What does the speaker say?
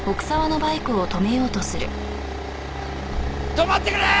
止まってくれ！